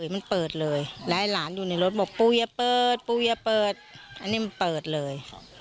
มันเปิดเลยแล้วไอ้หลานอยู่ในรถบอกปูอย่าเปิดปูอย่าเปิดอันนี้มันเปิดเลย